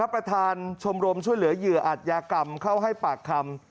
ประธานชมรมช่วยเหลือเหยื่ออัตยากรรมเข้าให้ปากคำ